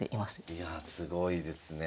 いやすごいですね。